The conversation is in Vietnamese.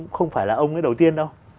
không phải là ông ấy đầu tiên đâu